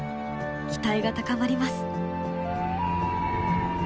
期待が高まります！